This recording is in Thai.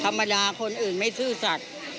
ธรรมดาคนอื่นไม่ซื่อสัตว์